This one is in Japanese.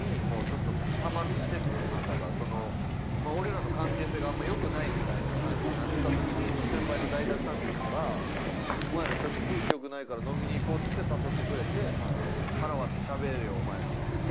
俺らの関係性があんま良くないみたいな感じになってたときに先輩のダイタクさんっていう人が「お前らちょっと」っつって誘ってくれて腹割ってしゃべれよお前らみたいな。